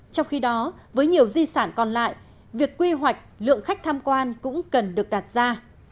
trong khi đó với nhiều di sản còn lại việc quy hoạch lượng khách tham quan cũng cần được đặt ra